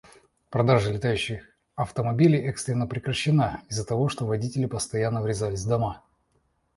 Продажа летающих автомобилей экстренно прекращена из-за того, что водители постоянно врезались в дома.